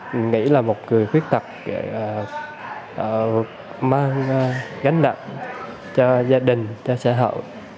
mình nghĩ là một người khuyết tật mang gánh nặng cho gia đình cho xã hội